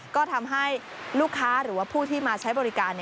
ก็ทำให้ลูกค้าหรือว่าผู้ที่มาใช้บริการ